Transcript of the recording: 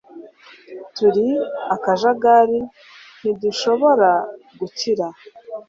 Turi akajagari ntidushobora gukira